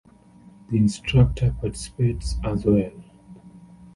The instructor participates as well.